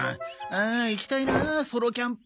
ああ行きたいなソロキャンプ。